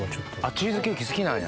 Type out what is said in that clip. チーズケーキ好きなんや。